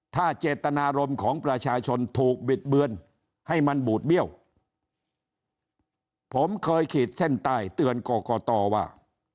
ถ้าเจตนารมณ์ของประชาชนถูกบิดเบือนให้มันบูดเบี้ยวผมเคยขีดเส้นใต้เตือนกรกตว่า